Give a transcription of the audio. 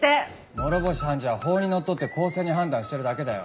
諸星判事は法にのっとって公正に判断してるだけだよ。